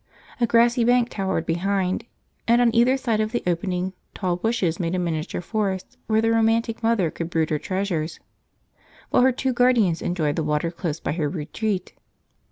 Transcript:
A grassy bank towered behind, and on either side of the opening, tall bushes made a miniature forest where the romantic mother could brood her treasures while her two guardians enjoyed the water close by her retreat.